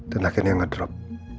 dan akhirnya ngedrop